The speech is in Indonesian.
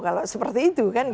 kalau seperti itu kan